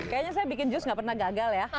kayanya saya bikin jus gak pernah gagal ya